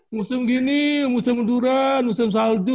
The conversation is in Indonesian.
musim gini musim unduran musim salju